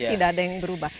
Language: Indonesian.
tidak ada yang berubah